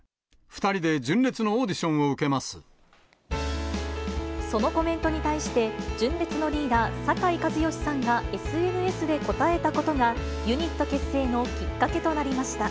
２人で、純烈のオーディションをそのコメントに対して、純烈のリーダー、酒井一圭さんがＳＮＳで応えたことが、ユニット結成のきっかけとなりました。